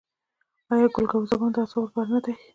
آیا ګل ګاو زبان د اعصابو لپاره نه دی؟